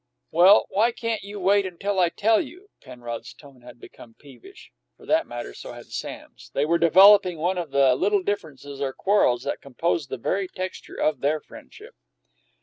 "Well, why can't you wait till I tell you?" Penrod's tone had become peevish. For that matter, so had Sam's; they were developing one of the little differences, or quarrels, that composed the very texture of their friendship.